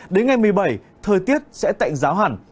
đến ngày một mươi bảy thời tiết sẽ tạnh giáo hẳn